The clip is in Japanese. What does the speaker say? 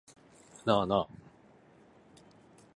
なあなあ